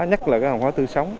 nhất là cái hàng hóa tư sống